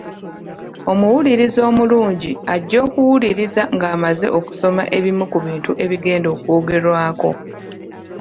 Omuwuliriza omulungi ajja okuwuliriza ng’amaze okusoma ebimu ku bintu ebigenda okwogerwako.